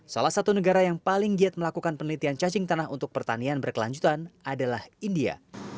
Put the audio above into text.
salah satu negara yang paling giat melakukan penelitian cacing tanah untuk pertanian berkelanjutan adalah india